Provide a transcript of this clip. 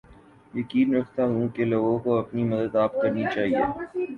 یقین رکھتا ہوں کے لوگوں کو اپنی مدد آپ کرنی چاھیے